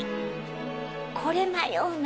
これ迷うな。